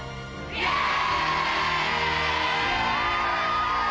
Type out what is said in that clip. イエイ！